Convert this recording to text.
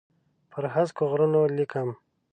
پر هسکو غرونو لیکم